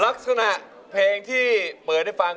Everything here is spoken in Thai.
ลักษณะเพลงที่เปิดให้ฟัง